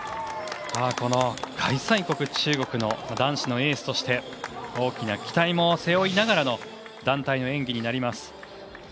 開催国・中国の男子のエースとして大きな期待も背負いながらの団体の演技になります。